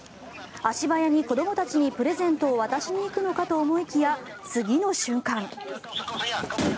足早に子どもたちにプレゼントを渡しに行くのかと思いきや次の瞬間。